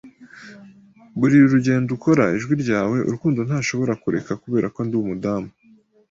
buri rugendo ukora Ijwi ryawe Urukundo ntashobora kureka 'Kubera ko ndi umudamu.